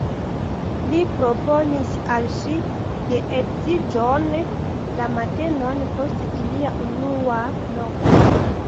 Li proponis al ŝi geedziĝon la matenon post ilia unua nokto.